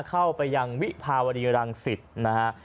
เข้าไปยังวิภาวดีรังสิตนะฮะ